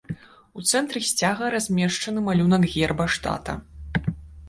У цэнтры сцяга размешчаны малюнак герба штата.